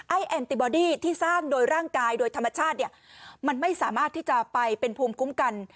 แอนติบอดี้ที่สร้างโดยร่างกายโดยธรรมชาติเนี่ยมันไม่สามารถที่จะไปเป็นภูมิคุ้มกัน